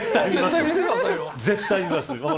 絶対見ます。